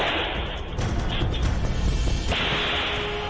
อุทิศด้วยรวมทางกล้างานให้ต้องผ่านให้เยอะนะฮะ